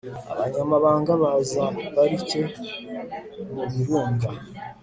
abanyamabanga ba za parike mubirunga